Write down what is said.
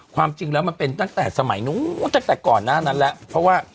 ความจริงแล้วมันเป็นตั้งแต่สมัยนู้นตั้งแต่ก่อนหน้านั้นแล้วเพราะว่า